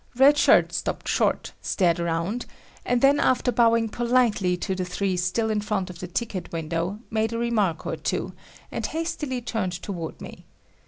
Red Shirt stopped short, stared around, and then after bowing politely to the three still in front of the ticket window, made a remark or two, and hastily turned toward me.